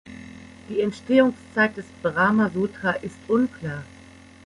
Die Entstehungszeit des Brahma-Sutra ist unklar.